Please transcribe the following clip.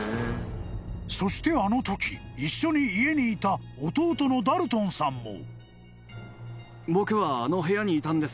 ［そしてあのとき一緒に家にいた弟のダルトンさんも］